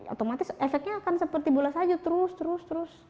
otomatis efeknya akan seperti bulas saju terus terus